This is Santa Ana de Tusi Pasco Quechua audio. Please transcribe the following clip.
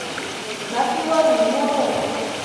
Makiwanmi muruu.